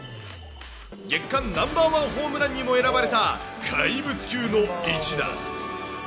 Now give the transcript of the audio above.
月間ナンバーワンホームランにも選ばれた、怪物級の一打。